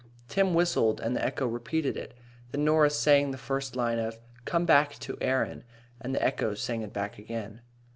Tim whistled, and the echo repeated it. Then Norah sang the first line of "Come Back to Erin," and the echo sang it back again.